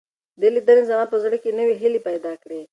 دې لیدنې زما په زړه کې نوې هیلې پیدا کړې.